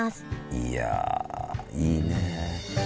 いやいいねえ。